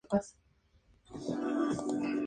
Primero fue un gato enorme.